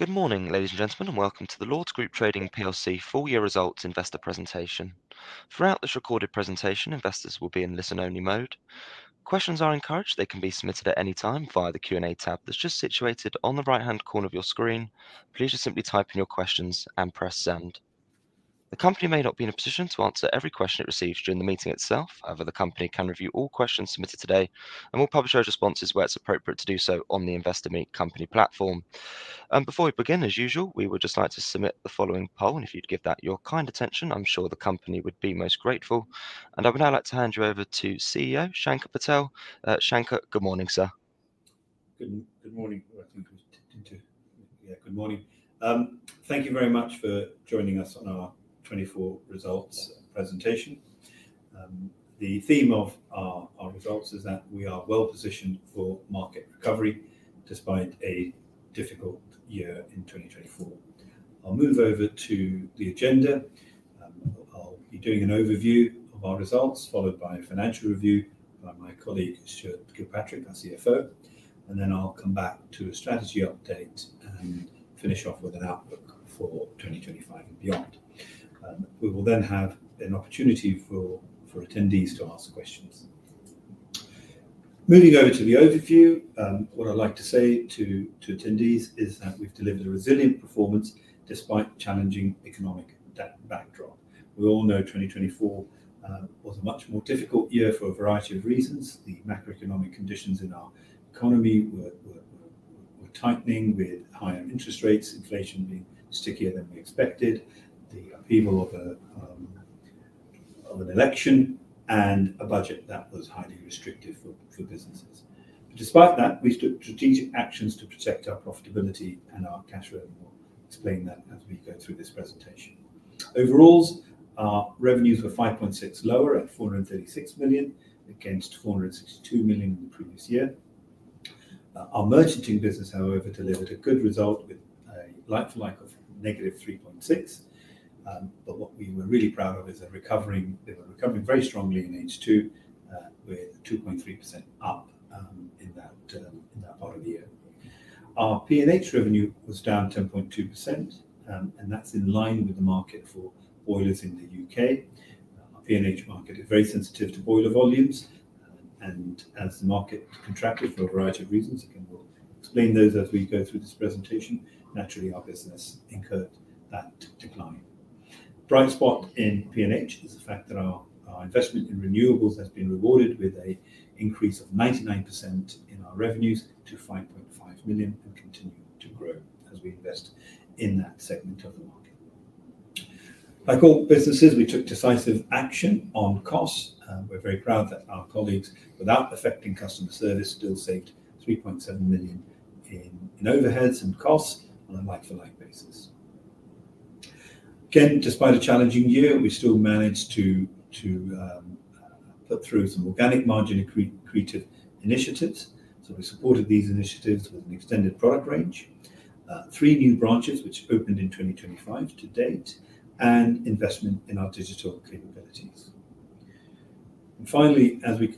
Good morning, ladies and gentlemen, and welcome to the Lords Group Trading full-year results investor presentation. Throughout this recorded presentation, investors will be in listen-only mode. Questions are encouraged; they can be submitted at any time via the Q&A tab that's just situated on the right-hand corner of your screen. Please just simply type in your questions and press send. The company may not be in a position to answer every question it receives during the meeting itself. However, the company can review all questions submitted today and will publish those responses where it's appropriate to do so on the Investor Meet Company platform. Before we begin, as usual, we would just like to submit the following poll, and if you'd give that your kind attention, I'm sure the company would be most grateful. I would now like to hand you over to CEO Shanker Patel. Shanker, good morning, sir. Good morning. Yeah, good morning. Thank you very much for joining us on our 2024 results presentation. The theme of our results is that we are well positioned for market recovery despite a difficult year in 2024. I'll move over to the agenda. I'll be doing an overview of our results, followed by a financial review by my colleague Stuart Kilpatrick, our CFO, and then I'll come back to a strategy update and finish off with an outlook for 2025 and beyond. We will then have an opportunity for attendees to ask questions. Moving over to the overview, what I'd like to say to attendees is that we've delivered a resilient performance despite the challenging economic backdrop. We all know 2024 was a much more difficult year for a variety of reasons. The macroeconomic conditions in our economy were tightening, with higher interest rates, inflation being stickier than we expected, the upheaval of an election, and a budget that was highly restrictive for businesses. Despite that, we took strategic actions to protect our profitability and our cash flow, and we'll explain that as we go through this presentation. Overall, our revenues were 5.6% lower at 436 million against 462 million in the previous year. Our merchanting business, however, delivered a good result with a like-for-like of negative 3.6%. What we were really proud of is that recovering very strongly in H2, with 2.3% up in that part of the year. Our P&H revenue was down 10.2%, and that's in line with the market for boilers in the U.K. Our P&H market is very sensitive to boiler volumes, and as the market contracted for a variety of reasons, again, we'll explain those as we go through this presentation. Naturally, our business incurred that decline. A bright spot in P&H is the fact that our investment in renewables has been rewarded with an increase of 99% in our revenues to 5.5 million and continuing to grow as we invest in that segment of the market. Like all businesses, we took decisive action on costs. We're very proud that our colleagues, without affecting customer service, still saved 3.7 million in overheads and costs on a like-for-like basis. Again, despite a challenging year, we still managed to put through some organic margin-created initiatives. We supported these initiatives with an extended product range, three new branches which opened in 2025 to date, and investment in our digital capabilities. Finally, as we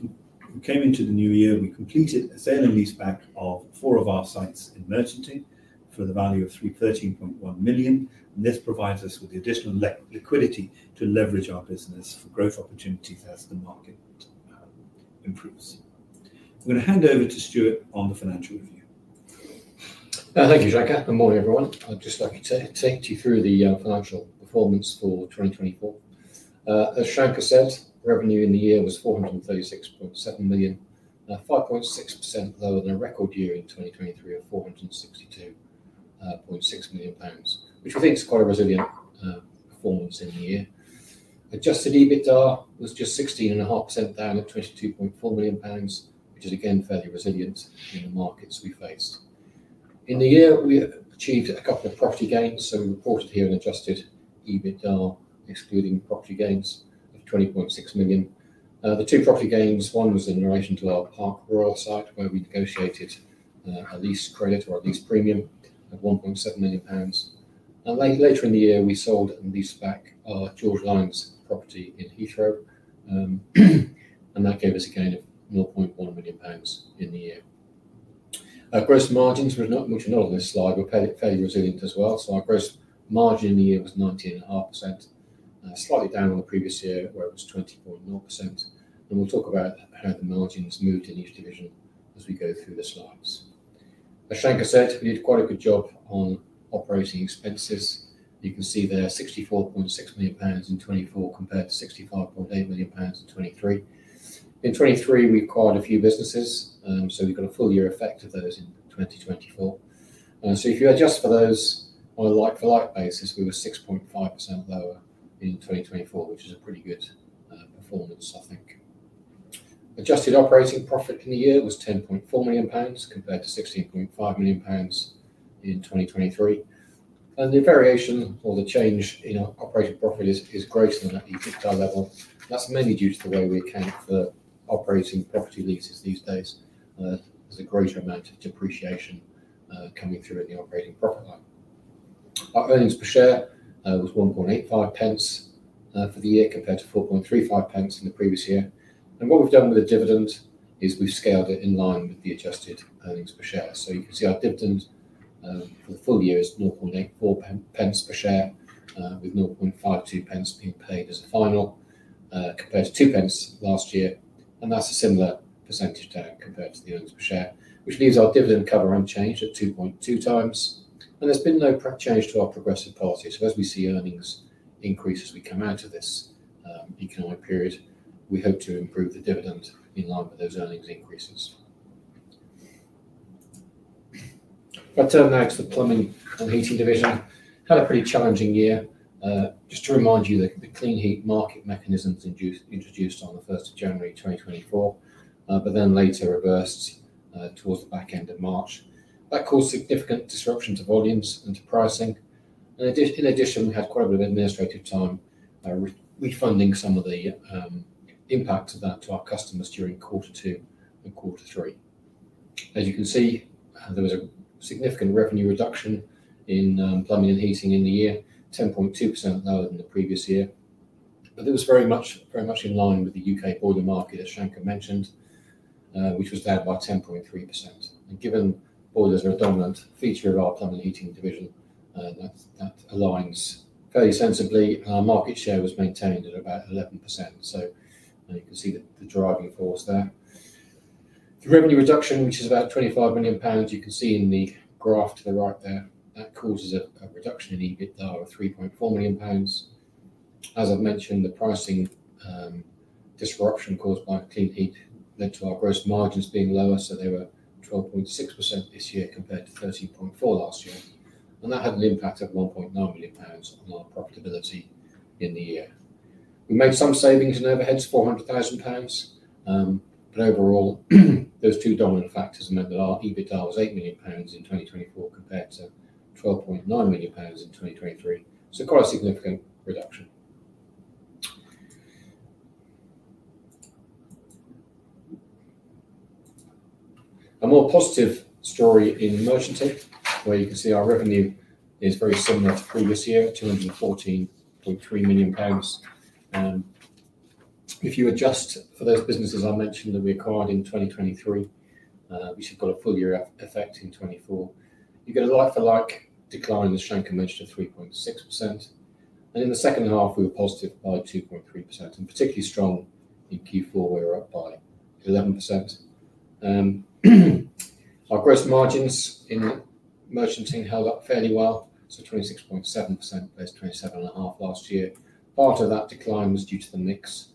came into the new year, we completed a sale and lease back of four of our sites in merchanting for the value of 13.1 million. This provides us with the additional liquidity to leverage our business for growth opportunities as the market improves. I'm going to hand over to Stuart on the financial review. Thank you, Shanker. Good morning, everyone. I'd just like to take you through the financial performance for 2024. As Shanker said, revenue in the year was 436.7 million, 5.6% lower than a record year in 2023 of 462.6 million pounds, which I think is quite a resilient performance in the year. Adjusted EBITDA was just 16.5% down at 22.4 million pounds, which is again fairly resilient in the markets we faced. In the year, we achieved a couple of property gains, so we reported here an adjusted EBITDA, excluding property gains, of 20.6 million. The two property gains, one was in relation to our Park Royal site, where we negotiated a lease credit or a lease premium of 1.7 million pounds. Later in the year, we sold and leased back our George Lyons property in Heathrow, and that gave us a gain of 0.1 million pounds in the year. Our gross margins, which are not on this slide, were fairly resilient as well. Our gross margin in the year was 19.5%, slightly down on the previous year where it was 20.0%. We will talk about how the margins moved in each division as we go through the slides. As Shanker said, we did quite a good job on operating expenses. You can see there 64.6 million pounds in 2024 compared to 65.8 million pounds in 2023. In 2023, we acquired a few businesses, so we have got a full year effect of those in 2024. If you adjust for those on a like-for-like basis, we were 6.5% lower in 2024, which is a pretty good performance, I think. Adjusted operating profit in the year was 10.4 million pounds compared to 16.5 million pounds in 2023. The variation or the change in operating profit is greater than that EBITDA level. That is mainly due to the way we account for operating property leases these days. There is a greater amount of depreciation coming through in the operating profit line. Our earnings per share was 0.0185 for the year compared to 0.0435 in the previous year. What we have done with the dividend is we have scaled it in line with the adjusted earnings per share. You can see our dividend for the full year is 0.0084 per share, with 0.0052 being paid as a final compared to 0.02 last year. That is a similar % tag compared to the earnings per share, which leaves our dividend cover unchanged at 2.2 times. There has been no change to our progressive policy. As we see earnings increase as we come out of this economic period, we hope to improve the dividend in line with those earnings increases. If I turn now to the plumbing and heating division, it had a pretty challenging year. Just to remind you, the clean heat market mechanisms were introduced on January 1, 2024, but then later reversed towards the back end of March. That caused significant disruption to volumes and to pricing. In addition, we had quite a bit of administrative time refunding some of the impacts of that to our customers during quarter two and quarter three. As you can see, there was a significant revenue reduction in plumbing and heating in the year, 10.2% lower than the previous year. It was very much in line with the U.K. boiler market, as Shanker mentioned, which was down by 10.3%. Given boilers are a dominant feature of our plumbing and heating division, that aligns fairly sensibly. Our market share was maintained at about 11%. You can see the driving force there. The revenue reduction, which is about 25 million pounds, you can see in the graph to the right there, that causes a reduction in EBITDA of 3.4 million pounds. As I have mentioned, the pricing disruption caused by clean heat led to our gross margins being lower, so they were 12.6% this year compared to 13.4% last year. That had an impact of 1.9 million pounds on our profitability in the year. We made some savings in overheads, 400,000 pounds. Overall, those two dominant factors meant that our EBITDA was 8 million pounds in 2024 compared to 12.9 million pounds in 2023. Quite a significant reduction. A more positive story in merchanting, where you can see our revenue is very similar to previous year, 214.3 million pounds. If you adjust for those businesses I mentioned that we acquired in 2023, which have got a full year effect in 2024, you get a like-for-like decline in the Shanker merchant of 3.6%. In the second half, we were positive by 2.3%. Particularly strong in Q4, we were up by 11%. Our gross margins in merchanting held up fairly well, 26.7% versus 27.5% last year. Part of that decline was due to the mix.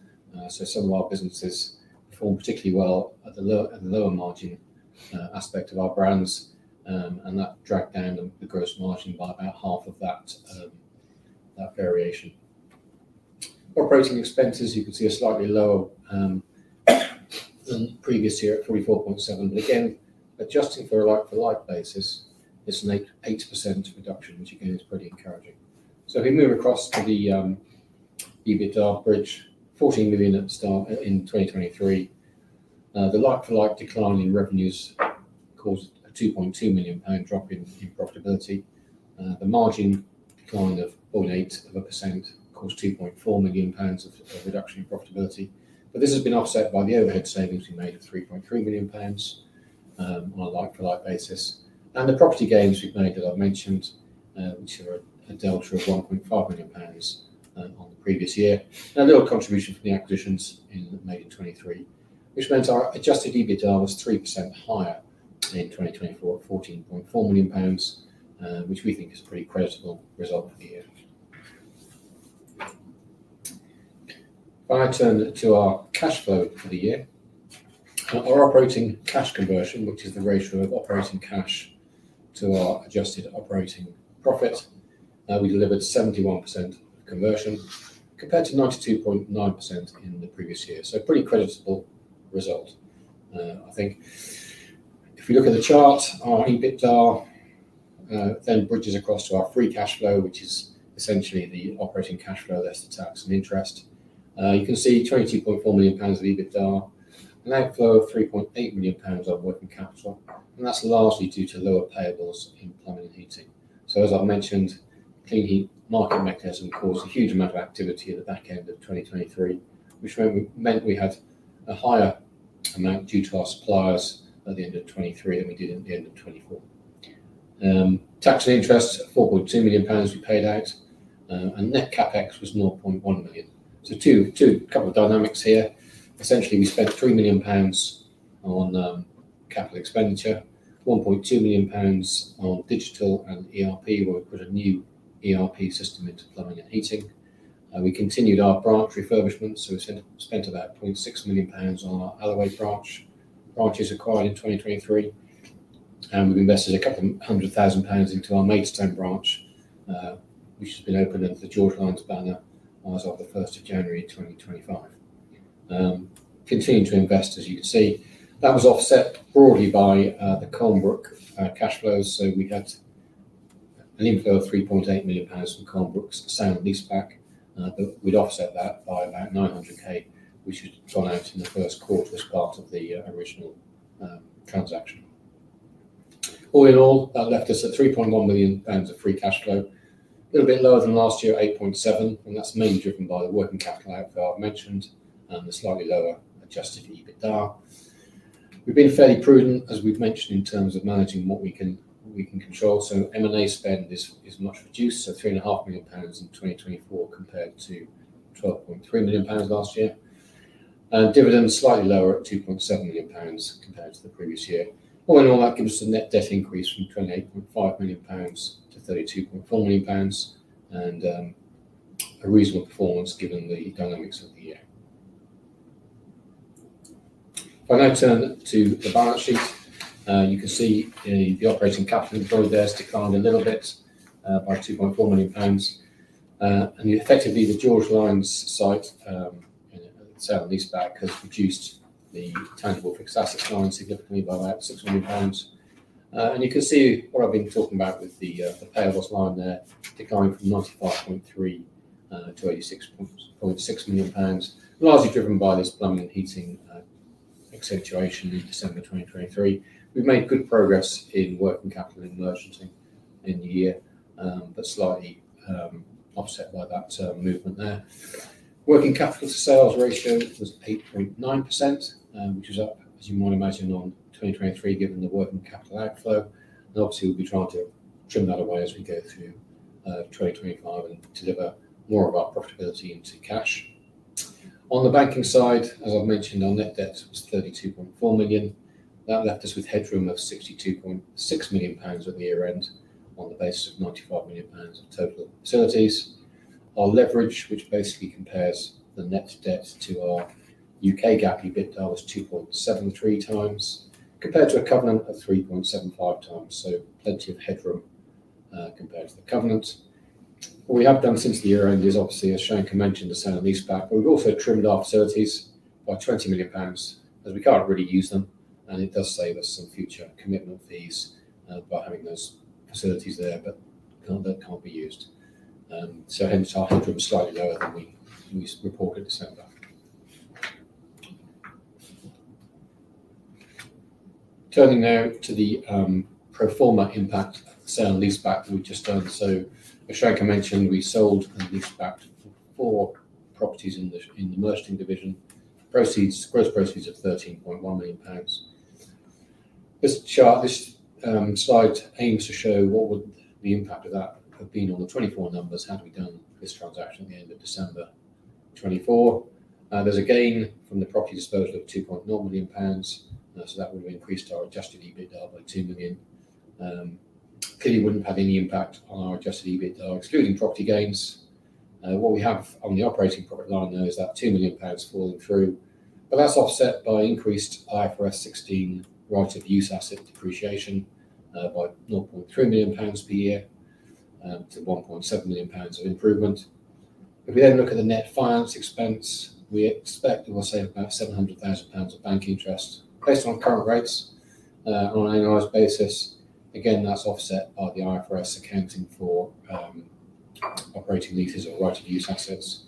Some of our businesses performed particularly well at the lower margin aspect of our brands, and that dragged down the gross margin by about half of that variation. Operating expenses, you can see, are slightly lower than previous year at 44.7 million. Again, adjusting for a like-for-like basis, it's an 8% reduction, which again is pretty encouraging. If we move across to the EBITDA bridge, 14 million at the start in 2023, the like-for-like decline in revenues caused a 2.2 million pound drop in profitability. The margin decline of 0.8% caused 2.4 million pounds of reduction in profitability. This has been offset by the overhead savings we made of 3.3 million pounds on a like-for-like basis. The property gains we've made that I've mentioned, which are a delta of 1.5 million pounds on the previous year, and a little contribution from the acquisitions made in 2023, meant our adjusted EBITDA was 3% higher in 2024 at 14.4 million pounds, which we think is a pretty credible result for the year. If I turn to our cash flow for the year, our operating cash conversion, which is the ratio of operating cash to our adjusted operating profit, we delivered 71% conversion compared to 92.9% in the previous year. A pretty credible result, I think. If we look at the chart, our EBITDA then bridges across to our free cash flow, which is essentially the operating cash flow, that is the tax and interest. You can see 22.4 million pounds of EBITDA, an outflow of 3.8 million pounds of working capital. That is largely due to lower payables in plumbing and heating. As I have mentioned, clean heat market mechanism caused a huge amount of activity at the back end of 2023, which meant we had a higher amount due to our suppliers at the end of 2023 than we did at the end of 2024. Tax and interest, 4.2 million pounds we paid out, and net capex was 0.1 million. Two couple of dynamics here. Essentially, we spent 3 million pounds on capital expenditure, 1.2 million pounds on digital and ERP, where we put a new ERP system into plumbing and heating. We continued our branch refurbishment, so we spent about 0.6 million pounds on our AW Lund branch acquired in 2023. We've invested a couple of hundred thousand pounds into our Maidstone branch, which has been open under the George Lyons banner as of the 1st of January 2025. Continuing to invest, as you can see, that was offset broadly by the Colnbrook cash flows. We had an inflow of 3.8 million pounds from Colnbrook's sale and lease back, but we'd offset that by about 900,000, which was drawn out in the first quarter as part of the original transaction. All in all, that left us at 3.1 million pounds of free cash flow, a little bit lower than last year, 8.7 million, and that's mainly driven by the working capital outflow I've mentioned and the slightly lower adjusted EBITDA. We've been fairly prudent, as we've mentioned, in terms of managing what we can control. M&A spend is much reduced, so 3.5 million pounds in 2024 compared to 12.3 million pounds last year. Dividends, slightly lower at 2.7 million pounds compared to the previous year. All in all, that gives us a net debt increase from 28.5 million pounds to 32.4 million pounds and a reasonable performance given the dynamics of the year. If I now turn to the balance sheet, you can see the operating capital in both there has declined a little bit by 2.4 million pounds. Effectively, the George Lyons site sale and lease back has reduced the tangible fixed asset line significantly by about 6 million pounds. You can see what I've been talking about with the payables line there, declined from 95.3 million to 86.6 million pounds, largely driven by this plumbing and heating accentuation in December 2023. We've made good progress in working capital in merchanting in the year, but slightly offset by that movement there. Working capital to sales ratio was 8.9%, which is up, as you might imagine, on 2023 given the working capital outflow. Obviously, we'll be trying to trim that away as we go through 2025 and deliver more of our profitability into cash. On the banking side, as I've mentioned, our net debt was 32.4 million. That left us with headroom of 62.6 million pounds at the year end on the basis of 95 million pounds of total facilities. Our leverage, which basically compares the net debt to our UK GAAP EBITDA, was 2.73 times compared to a covenant of 3.75 times. Plenty of headroom compared to the covenant. What we have done since the year end is, obviously, as Shanker mentioned, the sale and lease back, but we have also trimmed our facilities by 20 million pounds as we cannot really use them. It does save us some future commitment fees by having those facilities there, but that cannot be used. Hence, our headroom is slightly lower than we reported December. Turning now to the pro forma impact sale and lease back that we have just done. As Shanker mentioned, we sold and leased back four properties in the merchanting division. Gross proceeds of 13.1 million pounds. This slide aims to show what would the impact of that have been on the 2024 numbers had we done this transaction at the end of December 2024. There is a gain from the property disposal of 2.0 million pounds. That would have increased our adjusted EBITDA by 2 million. Clearly, it would not have had any impact on our adjusted EBITDA, excluding property gains. What we have on the operating profit line now is that 2 million pounds falling through. That is offset by increased IFRS 16 right of use asset depreciation by 0.3 million pounds per year to 1.7 million pounds of improvement. If we then look at the net finance expense, we expect that we will save about 700,000 pounds of bank interest based on current rates on an annualized basis. Again, that's offset by the IFRS 16 accounting for operating leases or right of use assets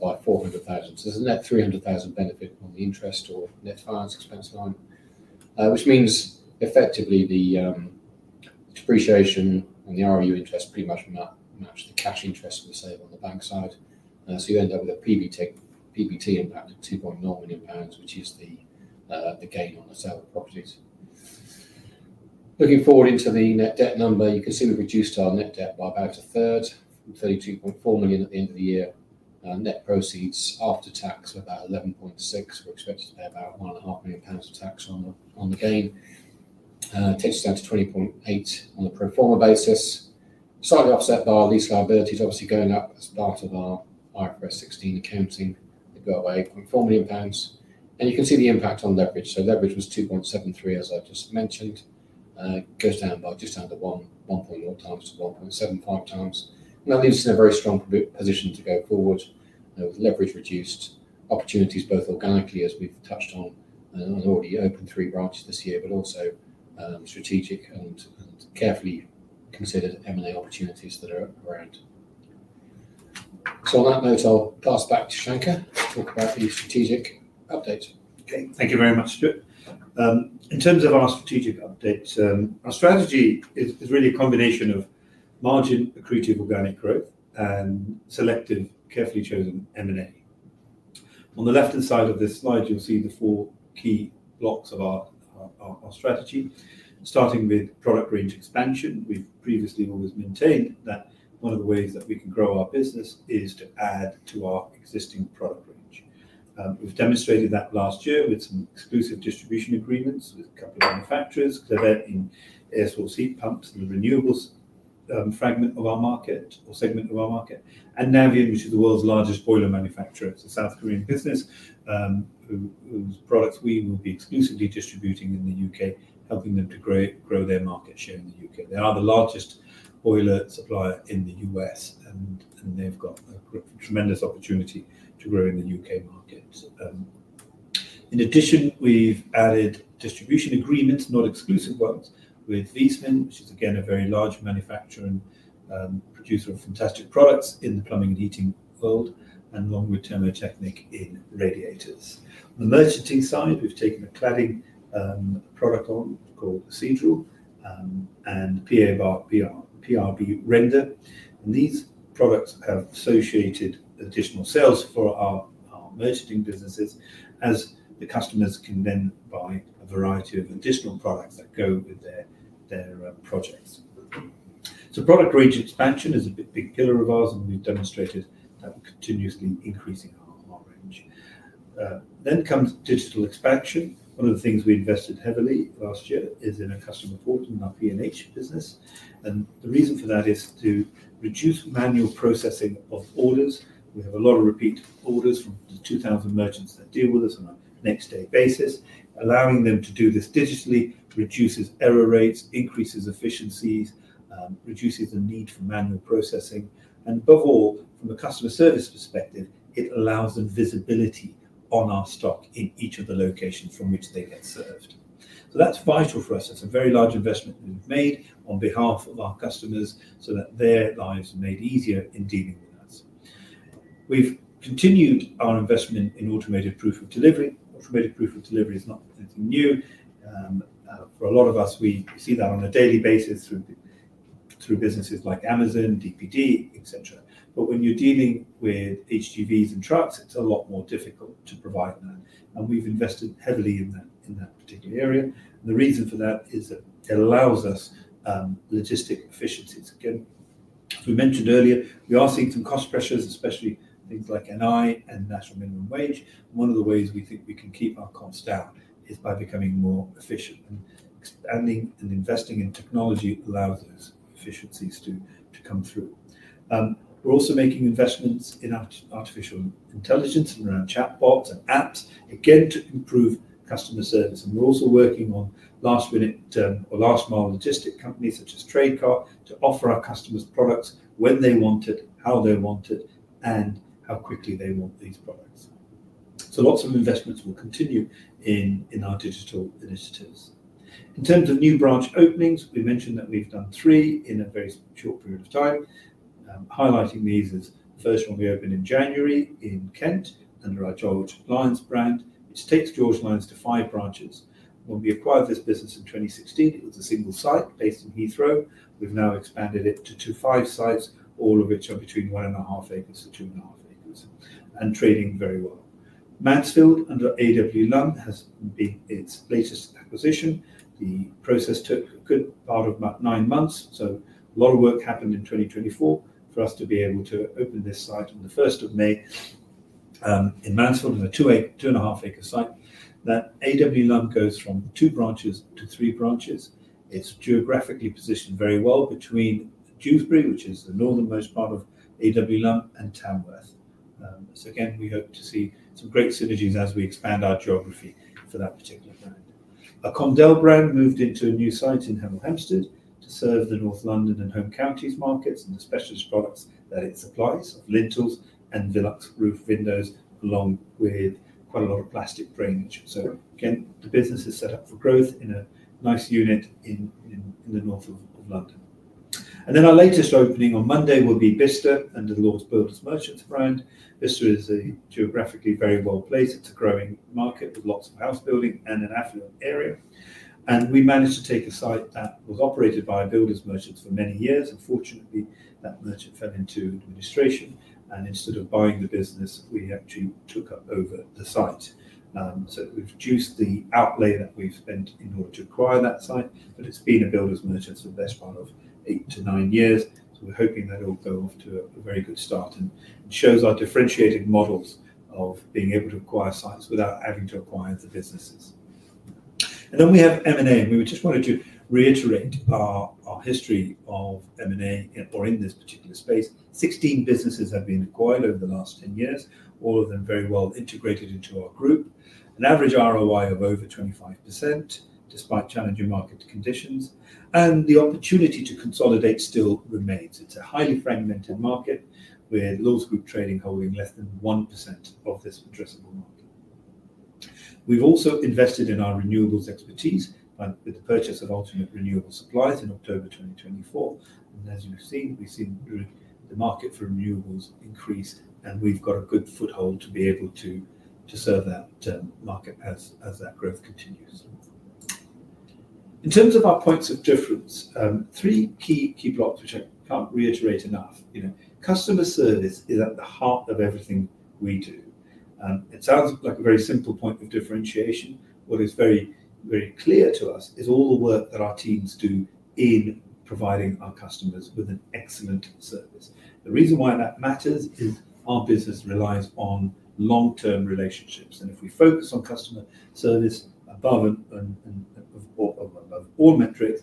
by 400,000. There is a net 300,000 benefit on the interest or net finance expense line, which means effectively the depreciation and the ROU interest pretty much match the cash interest we save on the bank side. You end up with a PBT impact of 2.0 million pounds, which is the gain on the sale of properties. Looking forward into the net debt number, you can see we've reduced our net debt by about a third, 32.4 million at the end of the year. Net proceeds after tax were about 11.6 million. We're expected to pay about 1.5 million pounds of tax on the gain, takes us down to 20.8 million on the pro forma basis. Slightly offset by lease liabilities, obviously going up as part of our IFRS 16 accounting. They go up by 8.4 million pounds. You can see the impact on leverage. Leverage was 2.73, as I just mentioned. It goes down by just under 1.0 times to 1.75 times. That leaves us in a very strong position to go forward with leverage reduced opportunities, both organically, as we have touched on, and already opened three branches this year, but also strategic and carefully considered M&A opportunities that are around. On that note, I will pass back to Shanker to talk about the strategic update. Okay. Thank you very much, Stuart. In terms of our strategic updates, our strategy is really a combination of margin accretive organic growth and selective, carefully chosen M&A. On the left-hand side of this slide, you will see the four key blocks of our strategy, starting with product range expansion. We've previously always maintained that one of the ways that we can grow our business is to add to our existing product range. We've demonstrated that last year with some exclusive distribution agreements with a couple of manufacturers, Clivet in air source heat pumps and the renewables fragment of our market or segment of our market. Navien, which is the world's largest boiler manufacturer, is a South Korean business whose products we will be exclusively distributing in the UK, helping them to grow their market share in the UK. They are the largest boiler supplier in the US, and they've got a tremendous opportunity to grow in the UK market. In addition, we've added distribution agreements, not exclusive ones, with Viessmann, which is again a very large manufacturer and producer of fantastic products in the plumbing and heating world, and Longwood Thermotechnik in radiators. On the merchanting side, we've taken a cladding product on called Cedral and PRB Render. These products have associated additional sales for our merchanting businesses, as the customers can then buy a variety of additional products that go with their projects. Product range expansion is a big pillar of ours, and we've demonstrated that we're continuously increasing our range. Digital expansion comes next. One of the things we invested heavily last year is in a customer portal in our P&H business. The reason for that is to reduce manual processing of orders. We have a lot of repeat orders from the 2,000 merchants that deal with us on a next-day basis. Allowing them to do this digitally reduces error rates, increases efficiencies, and reduces the need for manual processing. Above all, from a customer service perspective, it allows them visibility on our stock in each of the locations from which they get served. That is vital for us. It is a very large investment that we have made on behalf of our customers so that their lives are made easier in dealing with us. We have continued our investment in automated proof of delivery. Automated proof of delivery is not anything new. For a lot of us, we see that on a daily basis through businesses like Amazon, DPD, etc. When you are dealing with HGVs and trucks, it is a lot more difficult to provide that. We have invested heavily in that particular area. The reason for that is that it allows us logistic efficiencies. Again, as we mentioned earlier, we are seeing some cost pressures, especially things like NI and national minimum wage. One of the ways we think we can keep our costs down is by becoming more efficient. Expanding and investing in technology allows those efficiencies to come through. We're also making investments in artificial intelligence and around chatbots and apps, again, to improve customer service. We're also working on last-minute or last-mile logistic companies such as TradeCart to offer our customers products when they want it, how they want it, and how quickly they want these products. Lots of investments will continue in our digital initiatives. In terms of new branch openings, we mentioned that we've done three in a very short period of time. Highlighting these is the first one we opened in January in Kent under our George Lyons brand, which takes George Lyons to five branches. When we acquired this business in 2016, it was a single site based in Heathrow. We've now expanded it to five sites, all of which are between one and a half acres to two and a half acres and trading very well. Mansfield under AW Lund has been its latest acquisition. The process took a good part of about nine months. A lot of work happened in 2024 for us to be able to open this site on the 1st of May in Mansfield in a two and a half acre site. That AW Lund goes from two branches to three branches. It is geographically positioned very well between Dewsbury, which is the northernmost part of AW Lund, and Tamworth. We hope to see some great synergies as we expand our geography for that particular brand. Our Condell brand moved into a new site in Hemel Hempstead to serve the North London and Home Counties markets and the specialist products that it supplies of lintels and Velux roof windows along with quite a lot of plastic drainage. The business is set up for growth in a nice unit in the north of London. Our latest opening on Monday will be Bicester under the Lords Builders Merchants brand. Bicester is geographically very well placed. It is a growing market with lots of house building and an affluent area. We managed to take a site that was operated by a builders merchant for many years. Unfortunately, that merchant fell into administration. Instead of buying the business, we actually took over the site. We have reduced the outlay that we have spent in order to acquire that site. It's been a Builders Merchants for the best part of eight to nine years. We are hoping that it'll go off to a very good start and shows our differentiated models of being able to acquire sites without having to acquire the businesses. We have M&A. We just wanted to reiterate our history of M&A in this particular space. Sixteen businesses have been acquired over the last 10 years, all of them very well integrated into our group, an average ROI of over 25% despite challenging market conditions. The opportunity to consolidate still remains. It's a highly fragmented market with Lords Group Trading holding less than 1% of this addressable market. We have also invested in our renewables expertise with the purchase of Ultimate Renewables Supplies in October 2024. As you have seen, we have seen the market for renewables increase. We have got a good foothold to be able to serve that market as that growth continues. In terms of our points of difference, three key blocks which I cannot reiterate enough. Customer service is at the heart of everything we do. It sounds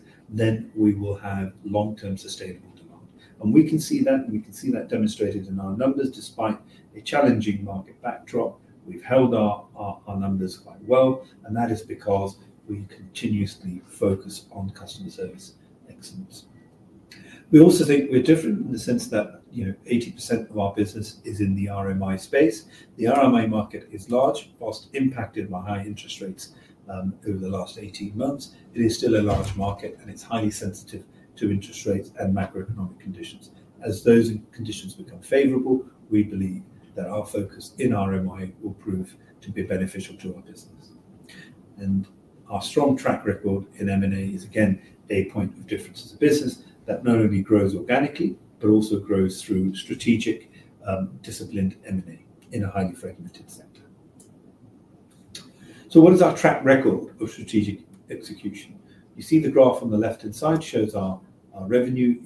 fragmented sector. What is our track record of strategic execution? You see the graph on the left-hand side shows our revenue.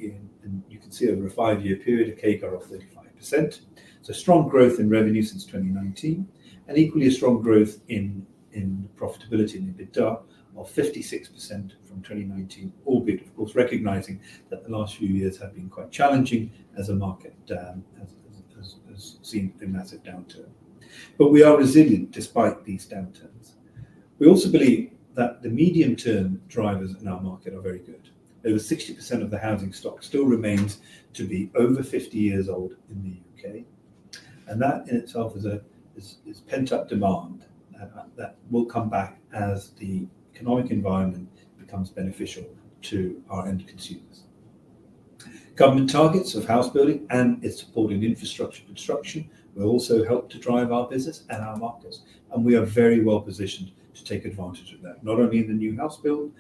You can see over a five-year period, a CAGR of 35%. It's a strong growth in revenue since 2019 and equally a strong growth in profitability and EBITDA of 56% from 2019, albeit, of course, recognizing that the last few years have been quite challenging as a market has seen a massive downturn. We are resilient despite these downturns. We also believe that the medium-term drivers in our market are very good. Over 60% of the housing stock still remains to be over 50 years old in the UK. That in itself is pent-up demand that will come back as the economic environment becomes beneficial to our end consumers. Government targets of house building and its supporting infrastructure construction will also help to drive our business and our markets. We are very well positioned to take advantage of that, not only in the new house build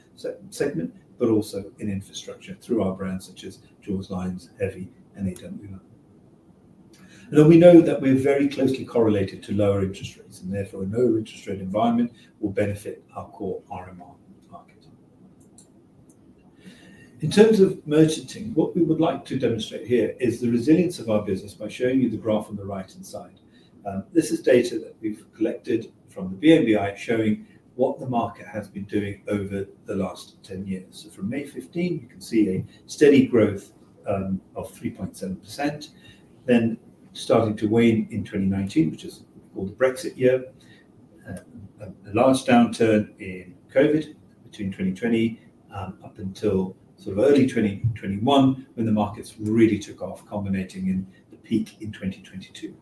segment, but also in infrastructure through our brands such as George Lyons, Heavy, and AW Lund. We know that we are very closely correlated to lower interest rates. Therefore, a lower interest rate environment will benefit our core RMI market. In terms of merchanting, what we would like to demonstrate here is the resilience of our business by showing you the graph on the right-hand side. This is data that we have collected from the BNBI showing what the market has been doing over the last 10 years. From May 15, you can see a steady growth of 3.7%, then starting to wane in 2019, which is called the Brexit year, a large downturn in COVID between 2020 up until sort of early 2021 when the markets really took off, culminating in the peak in 2022.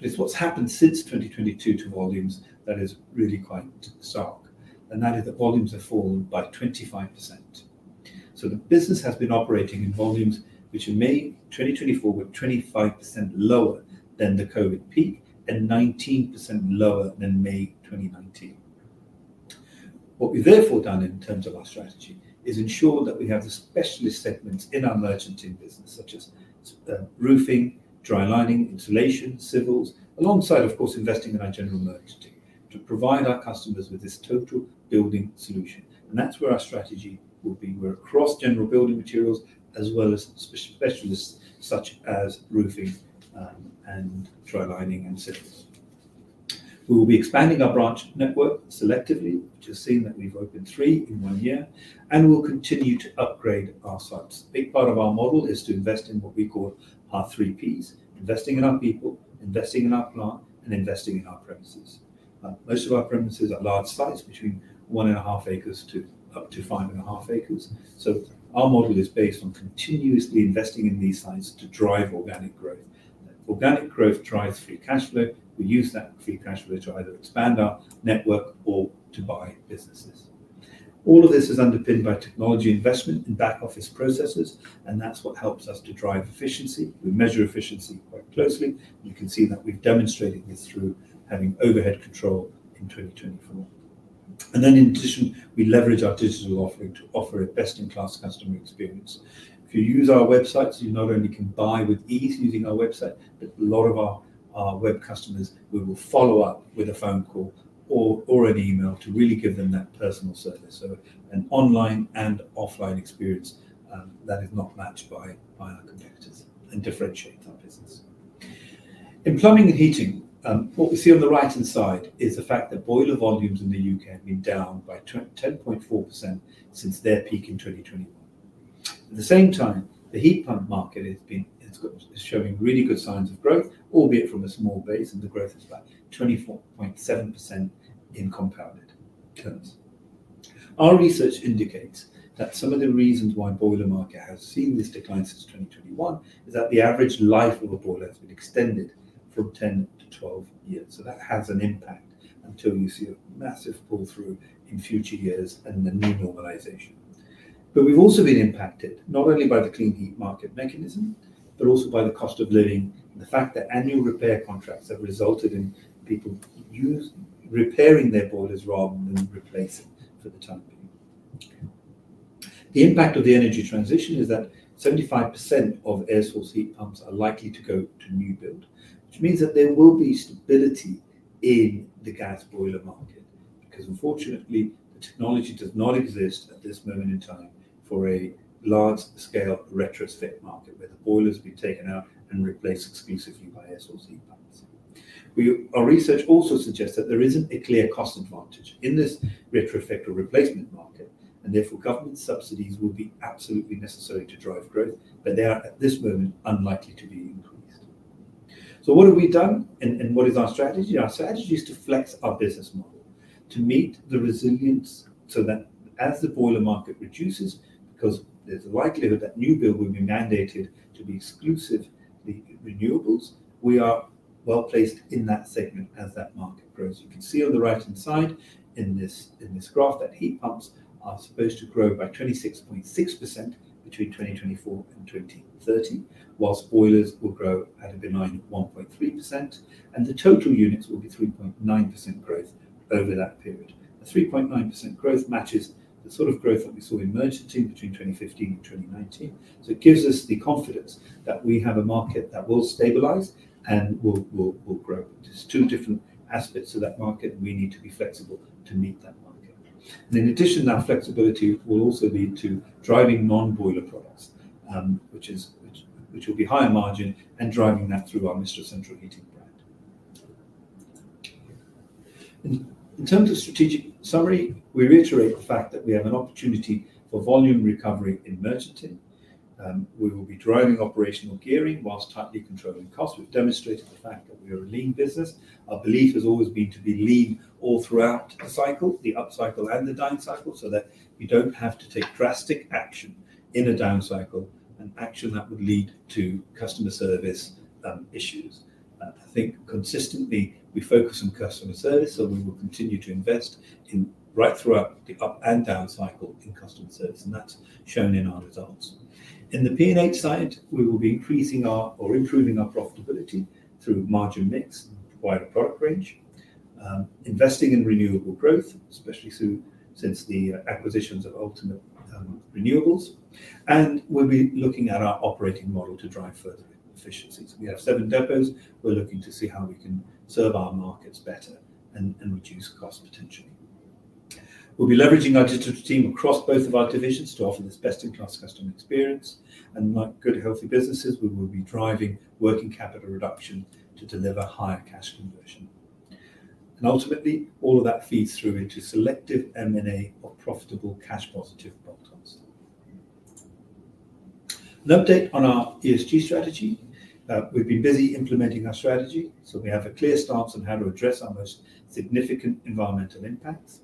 What has happened since 2022 to volumes is really quite stark. That is that volumes have fallen by 25%. The business has been operating in volumes which in May 2024 were 25% lower than the COVID peak and 19% lower than May 2019. What we have therefore done in terms of our strategy is ensure that we have the specialist segments in our merchanting business, such as roofing, dry lining, insulation, civils, alongside, of course, investing in our general merchanting to provide our customers with this total building solution. That is where our strategy will be. We're across general building materials as well as specialists such as roofing and dry lining and civils. We will be expanding our branch network selectively, which has seen that we've opened three in one year, and we'll continue to upgrade our sites. A big part of our model is to invest in what we call our three Ps, investing in our people, investing in our plant, and investing in our premises. Most of our premises are large sites between one and a half acres to up to five and a half acres. Our model is based on continuously investing in these sites to drive organic growth. Organic growth drives free cash flow. We use that free cash flow to either expand our network or to buy businesses. All of this is underpinned by technology investment and back-office processes. That is what helps us to drive efficiency. We measure efficiency quite closely. You can see that we've demonstrated this through having overhead control in 2024. In addition, we leverage our digital offering to offer a best-in-class customer experience. If you use our websites, you not only can buy with ease using our website, but a lot of our web customers, we will follow up with a phone call or an email to really give them that personal service. An online and offline experience that is not matched by our competitors and differentiates our business. In plumbing and heating, what we see on the right-hand side is the fact that boiler volumes in the UK. have been down by 10.4% since their peak in 2021. At the same time, the heat pump market has been showing really good signs of growth, albeit from a small base. The growth is about 24.7% in compounded terms. Our research indicates that some of the reasons why the boiler market has seen this decline since 2021 is that the average life of a boiler has been extended from 10 to 12 years. That has an impact until you see a massive pull-through in future years and the new normalization. We have also been impacted not only by the clean heat market mechanism, but also by the cost of living and the fact that annual repair contracts have resulted in people repairing their boilers rather than replacing for the time being. The impact of the energy transition is that 75% of air source heat pumps are likely to go to new build, which means that there will be stability in the gas boiler market because, unfortunately, the technology does not exist at this moment in time for a large-scale retrospect market where the boilers have been taken out and replaced exclusively by air source heat pumps. Our research also suggests that there is not a clear cost advantage in this retrospect or replacement market. Therefore, government subsidies will be absolutely necessary to drive growth, but they are at this moment unlikely to be increased. What have we done and what is our strategy? Our strategy is to flex our business model to meet the resilience so that as the boiler market reduces, because there is a likelihood that new build will be mandated to be exclusively renewables, we are well placed in that segment as that market grows. You can see on the right-hand side in this graph that heat pumps are supposed to grow by 26.6% between 2024 and 2030, whilst boilers will grow at a benign 1.3%. The total units will be 3.9% growth over that period. The 3.9% growth matches the sort of growth that we saw in merchanting between 2015 and 2019. It gives us the confidence that we have a market that will stabilize and will grow. There are two different aspects of that market, and we need to be flexible to meet that market. In addition, our flexibility will also lead to driving non-boiler products, which will be higher margin and driving that through our Mistral Central Heating brand. In terms of strategic summary, we reiterate the fact that we have an opportunity for volume recovery in merchanting. We will be driving operational gearing whilst tightly controlling costs. We have demonstrated the fact that we are a lean business. Our belief has always been to be lean all throughout the cycle, the upcycle and the downcycle, so that we do not have to take drastic action in a downcycle, an action that would lead to customer service issues. I think consistently we focus on customer service, so we will continue to invest right throughout the up and down cycle in customer service. That is shown in our results. In the P&H side, we will be increasing or improving our profitability through margin mix and wider product range, investing in renewable growth, especially since the acquisitions of Ultimate Renewables. We will be looking at our operating model to drive further efficiencies. We have seven depots. We are looking to see how we can serve our markets better and reduce cost potentially. We will be leveraging our digital team across both of our divisions to offer this best-in-class customer experience. Like good, healthy businesses, we will be driving working capital reduction to deliver higher cash conversion. Ultimately, all of that feeds through into selective M&A or profitable cash-positive bottoms. An update on our ESG strategy. We have been busy implementing our strategy, so we have a clear stance on how to address our most significant environmental impacts.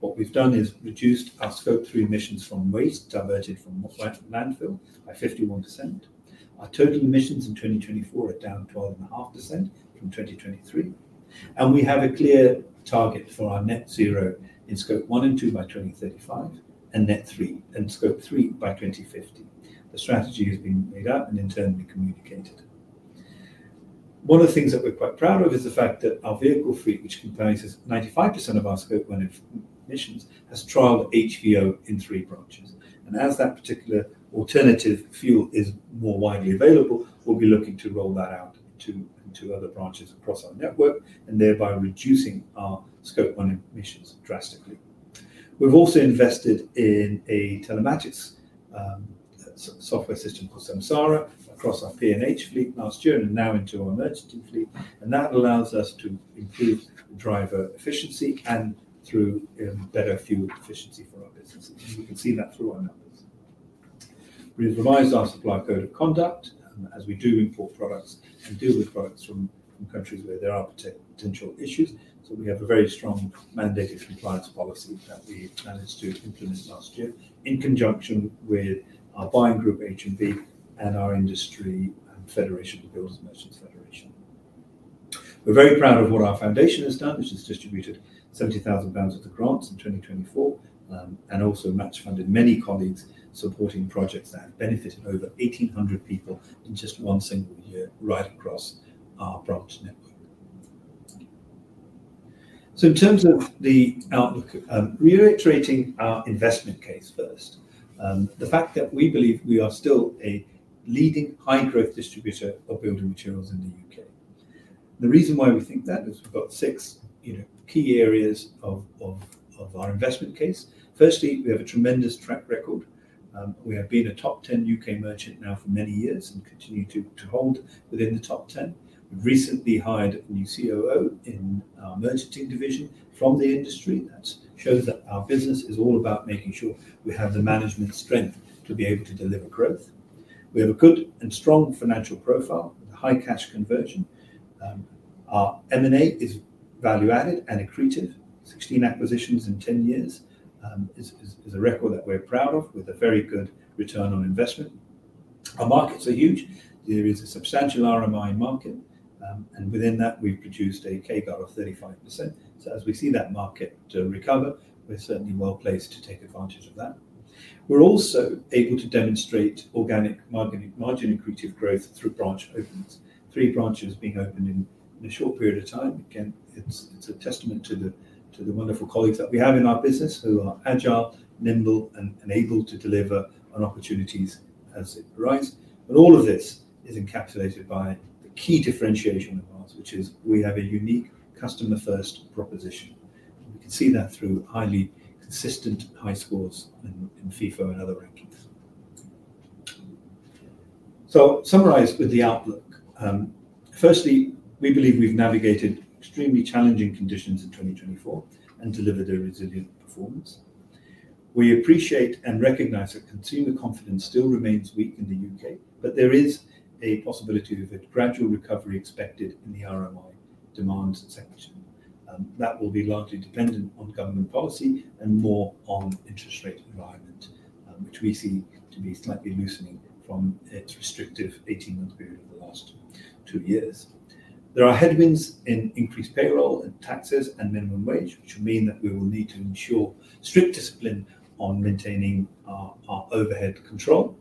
What we've done is reduced our scope three emissions from waste diverted from landfill by 51%. Our total emissions in 2024 are down 12.5% from 2023. We have a clear target for our net zero in scope one and two by 2035 and scope three by 2050. The strategy has been laid out and in turn been communicated. One of the things that we're quite proud of is the fact that our vehicle fleet, which comprises 95% of our scope one emissions, has trialed HVO in three branches. As that particular alternative fuel is more widely available, we'll be looking to roll that out into other branches across our network and thereby reducing our scope one emissions drastically. We've also invested in a telematics software system called Samsara across our P&H fleet last year and now into our merchanting fleet. That allows us to improve driver efficiency and through better fuel efficiency for our businesses. You can see that through our numbers. We have revised our supply code of conduct as we do import products and deal with products from countries where there are potential issues. We have a very strong mandated compliance policy that we managed to implement last year in conjunction with our buying group, HMB, and our industry federation, the Builders Merchants Federation. We are very proud of what our foundation has done, which has distributed 70,000 pounds of the grants in 2024 and also match funded many colleagues supporting projects that have benefited over 1,800 people in just one single year right across our branch network. In terms of the outlook, reiterating our investment case first, the fact that we believe we are still a leading high-growth distributor of building materials in the UK. The reason why we think that is we've got six key areas of our investment case. Firstly, we have a tremendous track record. We have been a top 10 UK. merchant now for many years and continue to hold within the top 10. We've recently hired a new COO in our merchanting division from the industry. That shows that our business is all about making sure we have the management strength to be able to deliver growth. We have a good and strong financial profile with a high cash conversion. Our M&A is value-added and accretive. Sixteen acquisitions in 10 years is a record that we're proud of with a very good return on investment. Our markets are huge. There is a substantial RMI market. Within that, we've produced a KGAR of 35%. As we see that market recover, we're certainly well placed to take advantage of that. We're also able to demonstrate organic margin accretive growth through branch openings, three branches being opened in a short period of time. Again, it's a testament to the wonderful colleagues that we have in our business who are agile, nimble, and able to deliver on opportunities as it arises. All of this is encapsulated by the key differentiation of ours, which is we have a unique customer-first proposition. We can see that through highly consistent high scores in FIFO and other rankings. Summarized with the outlook, firstly, we believe we've navigated extremely challenging conditions in 2024 and delivered a resilient performance. We appreciate and recognize that consumer confidence still remains weak in the UK, but there is a possibility of a gradual recovery expected in the RMI demand section. That will be largely dependent on government policy and more on the interest rate environment, which we see to be slightly loosening from its restrictive 18-month period of the last two years. There are headwinds in increased payroll and taxes and minimum wage, which will mean that we will need to ensure strict discipline on maintaining our overhead control.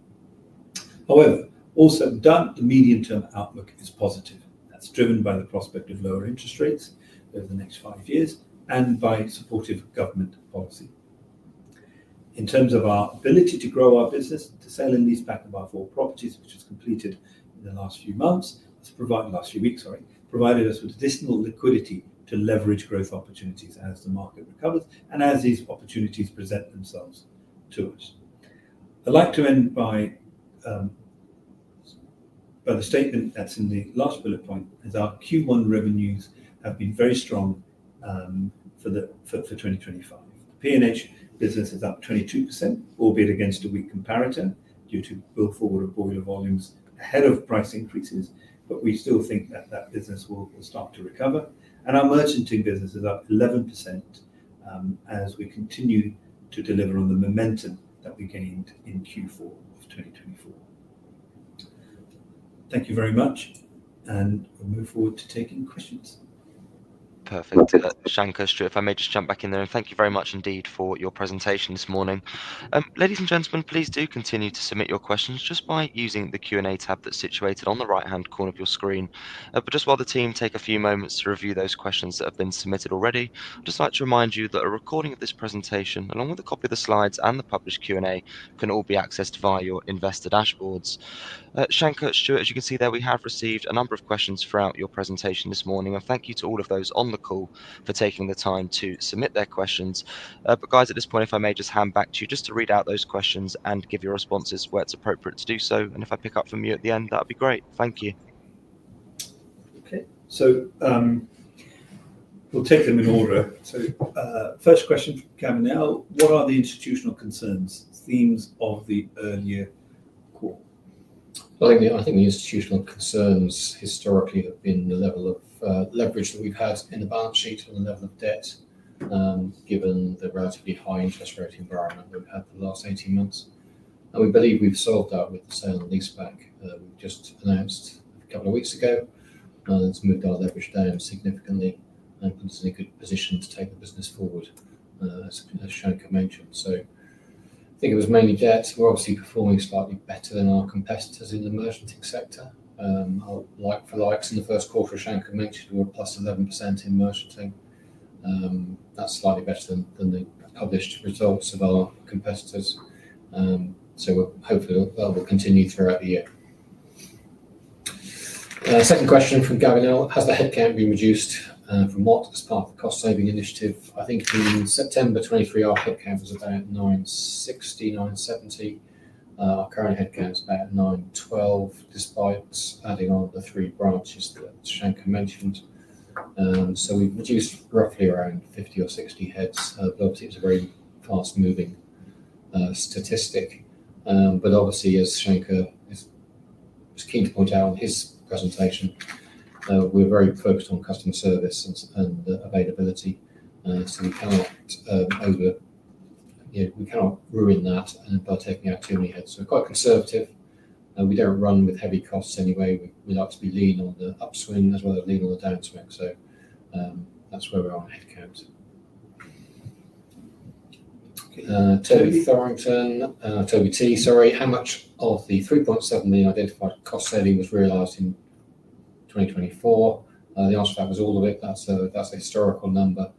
However, all said and done, the medium-term outlook is positive. That is driven by the prospect of lower interest rates over the next five years and by supportive government policy. In terms of our ability to grow our business, the sale and leaseback of our four properties, which has completed in the last few months, has provided us with additional liquidity to leverage growth opportunities as the market recovers and as these opportunities present themselves to us. I'd like to end by the statement that's in the last bullet point is our Q1 revenues have been very strong for 2025. The P&H business is up 22%, albeit against a weak comparator due to bill forward of boiler volumes ahead of price increases, but we still think that that business will start to recover. Our merchanting business is up 11% as we continue to deliver on the momentum that we gained in Q4 of 2024. Thank you very much, and we'll move forward to taking questions. Perfect. Shanker Patel, if I may just jump back in there, and thank you very much indeed for your presentation this morning. Ladies and gentlemen, please do continue to submit your questions just by using the Q&A tab that's situated on the right-hand corner of your screen. While the team take a few moments to review those questions that have been submitted already, I'd just like to remind you that a recording of this presentation, along with a copy of the slides and the published Q&A, can all be accessed via your investor dashboards. Shanker Patel, as you can see there, we have received a number of questions throughout your presentation this morning, and thank you to all of those on the call for taking the time to submit their questions. At this point, if I may just hand back to you just to read out those questions and give your responses where it's appropriate to do so. If I pick up from you at the end, that would be great. Thank you. Okay. We'll take them in order. First question from Kamil. What are the institutional concerns themes of the earlier call? I think the institutional concerns historically have been the level of leverage that we've had in the balance sheet and the level of debt given the relatively high interest rate environment we've had the last 18 months. We believe we've solved that with the sale and lease back we've just announced a couple of weeks ago. It's moved our leverage down significantly and puts us in a good position to take the business forward, as Shanker mentioned. I think it was mainly debt. We're obviously performing slightly better than our competitors in the merchanting sector. Like for likes in the first quarter, Shanker mentioned, we're plus 11% in merchanting. That's slightly better than the published results of our competitors. Hopefully, that will continue throughout the year. Second question from Gavin L. Has the headcount been reduced from what as part of the cost-saving initiative? I think in September 2023, our headcount was about 960, 970. Our current headcount is about 912, despite adding on the three branches that Shanker mentioned. We have reduced roughly around 50 or 60 heads. Obviously, it is a very fast-moving statistic. Obviously, as Shanker was keen to point out on his presentation, we are very focused on customer service and availability. We cannot ruin that by taking out too many heads. We are quite conservative. We do not run with heavy costs anyway. We like to be lean on the upswing as well as lean on the downswing. That is where we are on headcount. Toby Thorrington, Toby T, sorry. How much of the 3.7 million identified cost saving was realized in 2024? The answer to that was all of it. That's a historical number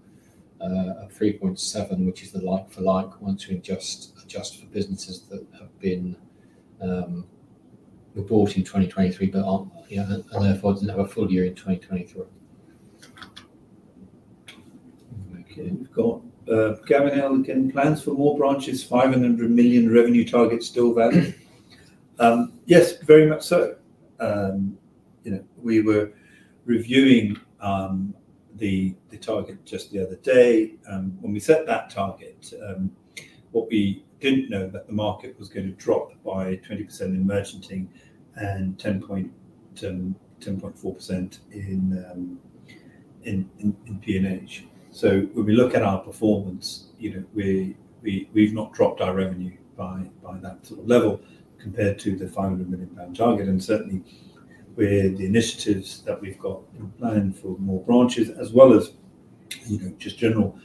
of 3.7, which is the like for like once we adjust for businesses that have been bought in 2023 and therefore did not have a full year in 2023. Okay. We've got Gavin L. again, plans for more branches, 500 million revenue target still valid. Yes, very much so. We were reviewing the target just the other day. When we set that target, what we did not know was that the market was going to drop by 20% in merchanting and 10.4% in P&H. When we look at our performance, we have not dropped our revenue by that sort of level compared to the 500 million pound target. Certainly, with the initiatives that we have planned for more branches, as well as just general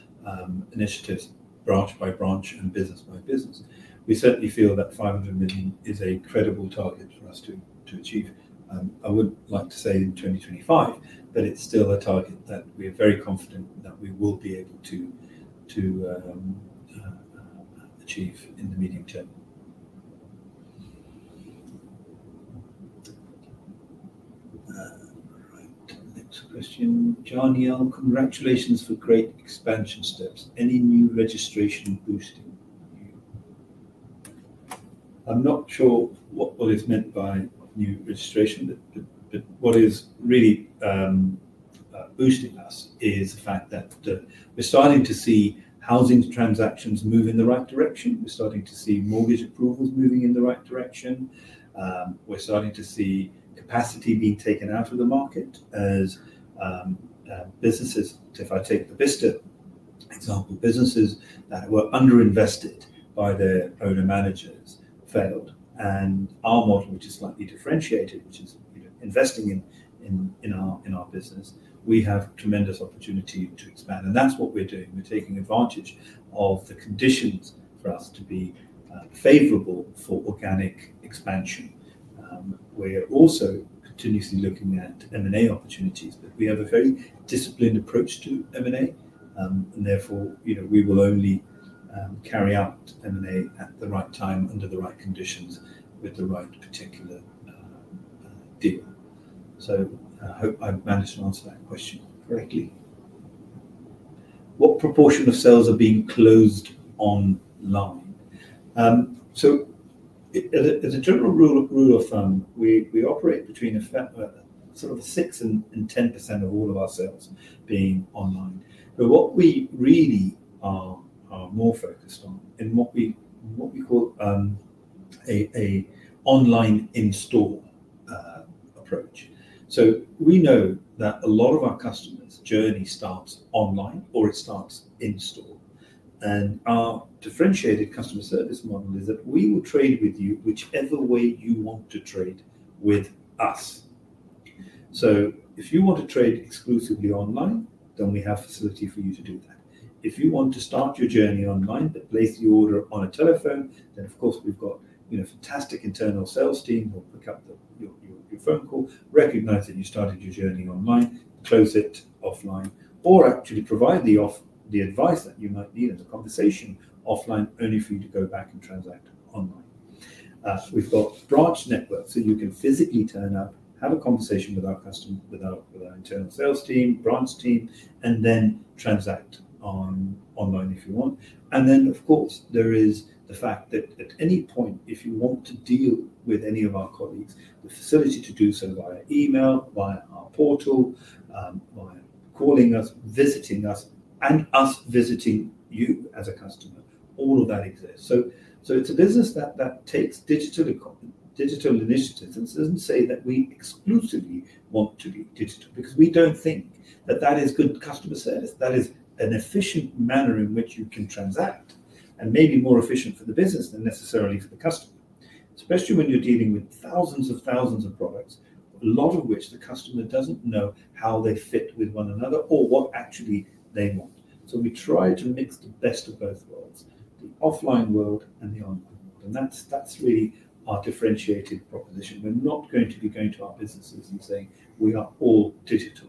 initiatives branch by branch and business by business, we certainly feel that GBP 500 million is a credible target for us to achieve. I would like to say in 2025, but it is still a target that we are very confident that we will be able to achieve in the medium term. All right. Next question. John Yale, congratulations for great expansion steps. Any new registration boosting? I'm not sure what is meant by new registration, but what is really boosting us is the fact that we're starting to see housing transactions move in the right direction. We're starting to see mortgage approvals moving in the right direction. We're starting to see capacity being taken out of the market as businesses, if I take the Bicester example, businesses that were underinvested by their owner-managers failed. Our model, which is slightly differentiated, which is investing in our business, we have tremendous opportunity to expand. That's what we're doing. We're taking advantage of the conditions for us to be favorable for organic expansion. We are also continuously looking at M&A opportunities, but we have a very disciplined approach to M&A. Therefore, we will only carry out M&A at the right time under the right conditions with the right particular deal. I hope I've managed to answer that question correctly. What proportion of sales are being closed online? As a general rule of thumb, we operate between 6%-10% of all of our sales being online. What we really are more focused on is what we call an online in-store approach. We know that a lot of our customers' journey starts online or it starts in store. Our differentiated customer service model is that we will trade with you whichever way you want to trade with us. If you want to trade exclusively online, then we have facility for you to do that. If you want to start your journey online but place the order on a telephone, then of course, we've got a fantastic internal sales team who will pick up your phone call, recognize that you started your journey online, close it offline, or actually provide the advice that you might need and the conversation offline only for you to go back and transact online. We've got branch networks so you can physically turn up, have a conversation with our customer, with our internal sales team, branch team, and then transact online if you want. There is the fact that at any point, if you want to deal with any of our colleagues, the facility to do so via email, via our portal, via calling us, visiting us, and us visiting you as a customer, all of that exists. It is a business that takes digital initiatives. This does not say that we exclusively want to be digital because we do not think that that is good customer service. That is an efficient manner in which you can transact and maybe more efficient for the business than necessarily for the customer, especially when you are dealing with thousands and thousands of products, a lot of which the customer does not know how they fit with one another or what actually they want. We try to mix the best of both worlds, the offline world and the online world. That is really our differentiated proposition. We are not going to be going to our businesses and saying, "We are all digital."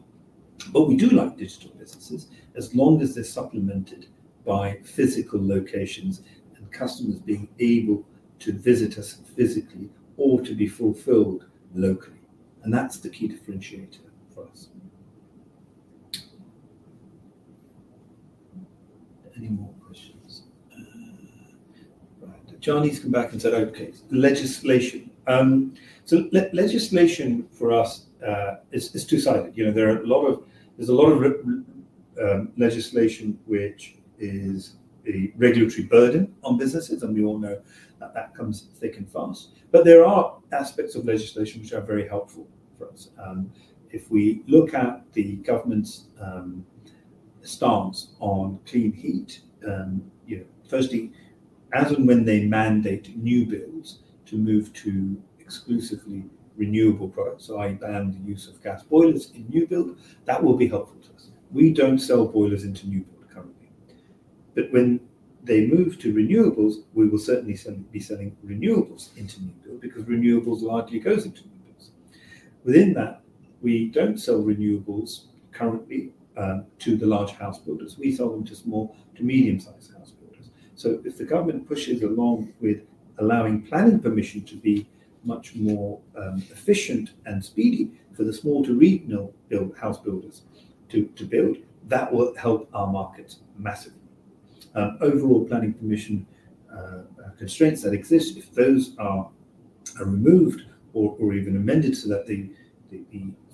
We do like digital businesses as long as they are supplemented by physical locations and customers being able to visit us physically or to be fulfilled locally. That is the key differentiator for us. Any more questions? Right. Johnny's come back and said, "Okay. Legislation. Legislation for us is two-sided. There's a lot of legislation which is a regulatory burden on businesses, and we all know that that comes thick and fast. There are aspects of legislation which are very helpful for us. If we look at the government's stance on clean heat, firstly, as and when they mandate new builds to move to exclusively renewable products, so if they ban the use of gas boilers in new builds, that will be helpful to us. We don't sell boilers into new builds currently. When they move to renewables, we will certainly be selling renewables into new builds because renewables largely goes into new builds. Within that, we don't sell renewables currently to the large house builders. We sell them to small to medium-sized house builders. If the government pushes along with allowing planning permission to be much more efficient and speedy for the small to regional house builders to build, that will help our markets massively. Overall planning permission constraints that exist, if those are removed or even amended so that the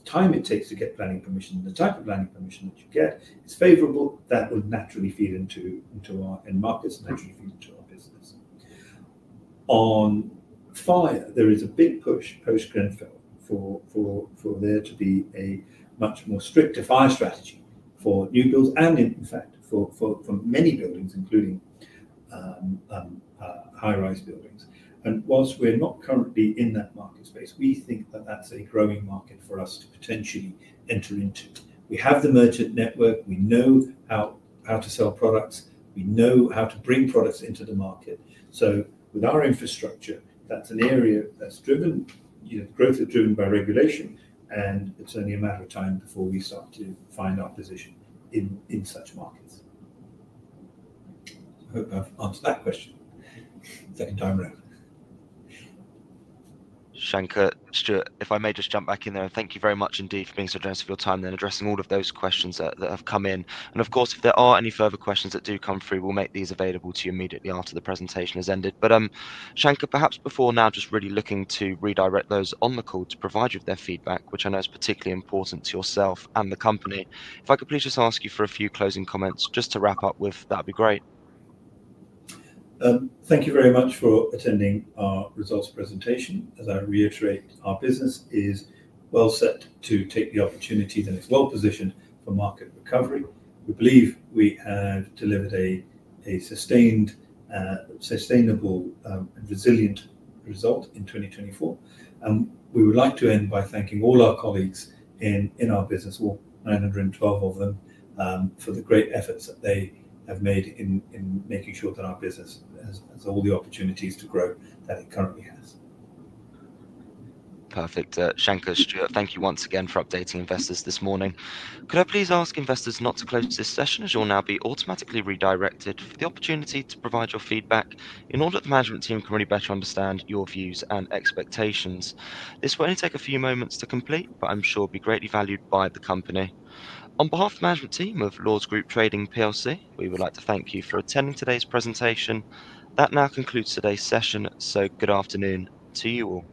time it takes to get planning permission, the type of planning permission that you get is favorable, that would naturally feed into our end markets and naturally feed into our business. On fire, there is a big push post-Grenfell for there to be a much more stricter fire strategy for new builds and, in fact, for many buildings, including high-rise buildings. Whilst we're not currently in that market space, we think that that's a growing market for us to potentially enter into. We have the merchant network. We know how to sell products. We know how to bring products into the market. With our infrastructure, that's an area that's driven growth, is driven by regulation, and it's only a matter of time before we start to find our position in such markets. I hope I've answered that question second time around. Shanker, if I may just jump back in there, and thank you very much indeed for being so generous of your time and then addressing all of those questions that have come in. Of course, if there are any further questions that do come through, we'll make these available to you immediately after the presentation has ended. Shanker, perhaps before now, just really looking to redirect those on the call to provide you with their feedback, which I know is particularly important to yourself and the company. If I could please just ask you for a few closing comments just to wrap up with, that would be great. Thank you very much for attending our results presentation. As I reiterate, our business is well set to take the opportunities and is well positioned for market recovery. We believe we have delivered a sustainable and resilient result in 2024. We would like to end by thanking all our colleagues in our business, all 912 of them, for the great efforts that they have made in making sure that our business has all the opportunities to grow that it currently has. Perfect. Shanker Patel, thank you once again for updating investors this morning. Could I please ask investors not to close this session as you'll now be automatically redirected for the opportunity to provide your feedback in order that the management team can really better understand your views and expectations? This will only take a few moments to complete, but I'm sure it will be greatly valued by the company. On behalf of the management team of Lords Group Trading, we would like to thank you for attending today's presentation. That now concludes today's session. Good afternoon to you all.